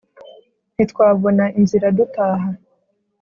ntitwabona inzira dutaha